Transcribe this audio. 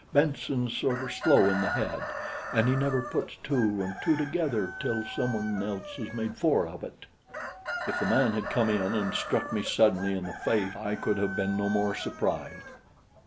Benson's sorter slow in the head, an' he never puts two an' two together till some one else has made four out of it." If the man had come in and struck me suddenly in the face, I could have been no more surprised.